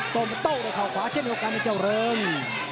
โปรมอตเตอร์โดยเข้าขวาเช่นเดียวกันในเจ้าเริง